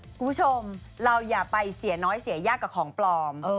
คุณผู้ชมเราอย่าไปเสียน้อยเสียยากกับของปลอม